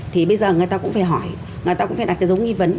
thì bây giờ người ta cũng phải hỏi người ta cũng phải đặt cái giống nghi vấn